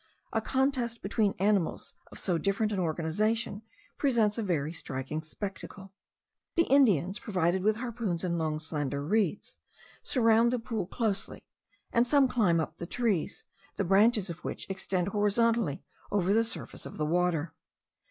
A contest between animals of so different an organization presents a very striking spectacle. The Indians, provided with harpoons and long slender reeds, surround the pool closely; and some climb up the trees, the branches of which extend horizontally over the surface of the water.